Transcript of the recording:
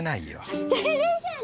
してるじゃない！